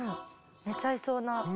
寝ちゃいそうな。